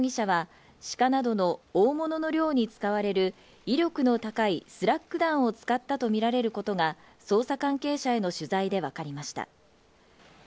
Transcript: また青木容疑者は、シカなどの大物の猟に使われる威力の高いスラッグ弾を使ったとみられることが捜査関係者への取材でわかりました。